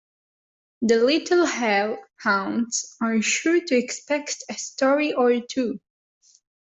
The little hell hounds are sure to expect a story or two.